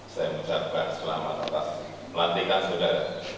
saya mengucapkan selamat atas pelantikan saudara